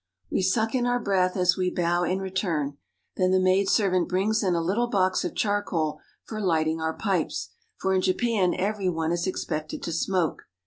We suck in our breath, as we bow in return. Then the maid servant brings in a little box of charcoal for lighting our pipes; for in Japan every one is expected to smoke.